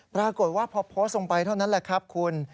ปรากฏว่าพอโพสต์ลงไปเท่านั้นแหละครับคุณ